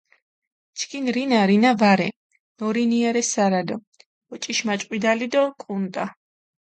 ჩქინ რინა, რინა ვარე, ნორინია რე სარალო, ოჭიშმაჭყვიდალი დო კუნტა.